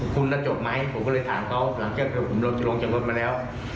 คุณจะจบไหมผมก็เลยถามเขาหลังจากผมเราจะลงจากรถมาแล้ว